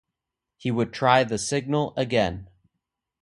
He would try the signal again.